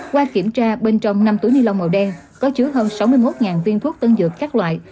qua kiểm tra bên trong năm túi ni lông màu đen có chứa hơn sáu mươi một viên thuốc tân dược các loại